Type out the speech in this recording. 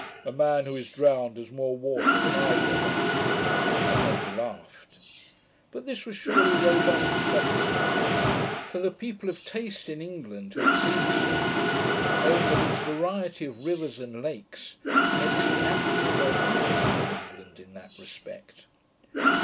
A man who is drowned has more water than either of us'; and then he laughed. (But this was surely robust sophistry: for the people of taste in England, who have seen Scotland, own that its variety of rivers and lakes makes it naturally more beautiful than England, in that respect.)